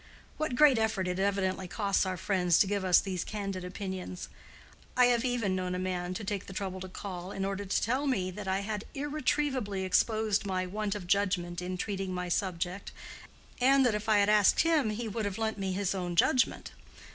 —What great effort it evidently costs our friends to give us these candid opinions! I have even known a man to take the trouble to call, in order to tell me that I had irretrievably exposed my want of judgment in treating my subject, and that if I had asked him we would have lent me his own judgment.